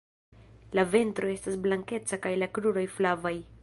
La ventro estas blankeca kaj la kruroj flavaj.